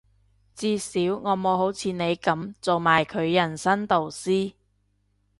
至少我冇好似你噉做埋佢人生導師